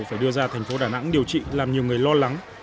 phải đưa ra thành phố đà nẵng điều trị làm nhiều người lo lắng